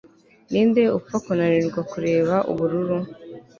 Ninde upfa kunanirwa kureba ubururu